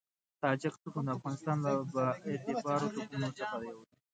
تاجک توکم د افغانستان له با اعتباره توکمونو څخه یو دی.